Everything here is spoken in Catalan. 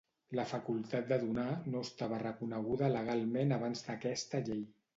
La facultat de donar no estava reconeguda legalment abans d'aquesta llei.